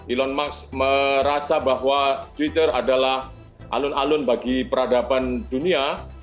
elon musk merasa bahwa twitter adalah alun alun bagi peradaban dunia